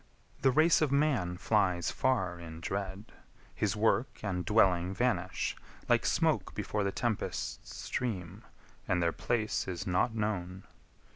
The race Of man flies far in dread; his work and dwelling Vanish, like smoke before the tempest's stream, And their place is not known.